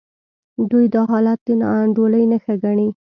دوی دا حالت د ناانډولۍ نښه ګڼي.